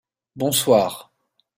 bonsoir.